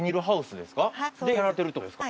でやられてるってことですか？